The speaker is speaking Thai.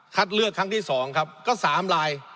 เลือกครั้งที่๒ครับก็๓ลาย